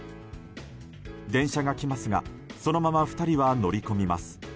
電車が来ますがそのまま２人は乗り込みます。